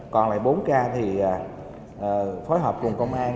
còn lại bốn k thì phối hợp cùng công an